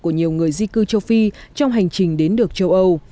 của nhiều người di cư châu phi trong hành trình đến được châu âu